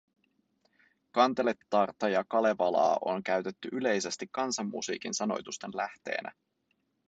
Kanteletarta ja Kalevalaa on käytetty yleisesti kansanmusiikin sanoitusten lähteenä